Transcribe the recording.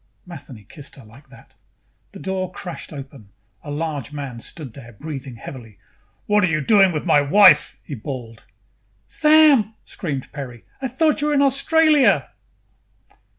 Matheny kissed her like that. The door crashed open. A large man stood there, breathing heavily. "What are you doing with my wife?" he bawled. "Sam!" screamed Peri. "I thought you were in Australia!"